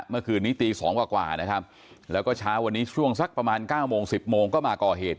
เมื่อคืนนี้ตี๒กว่านะครับแล้วก็เช้าวันนี้ช่วงสักประมาณ๙โมง๑๐โมงก็มาก่อเหตุ